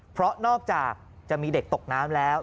เพราะนอกจากจะมีเด็กตกน้ำแล้ว